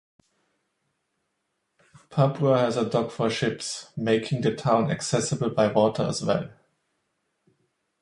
Papua has a dock for ships, making the town accessible by water as well.